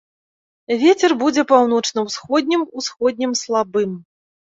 Вецер будзе паўночна-ўсходнім, усходнім слабым.